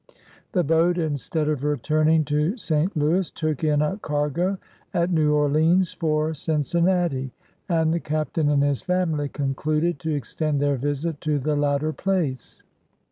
The boat, instead of returning to St. Louis, took in a cargo at New Orleans for Cincinnati, and the Captain and his family concluded to extend their visit to the latter place.